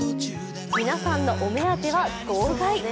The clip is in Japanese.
皆さんのお目当ては号外。